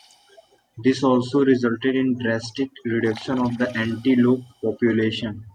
This also resulted in drastic reduction of the antelope population.